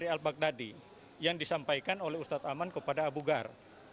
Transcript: itu konteks yang disampaikan oleh ustadz aman kepada abu gar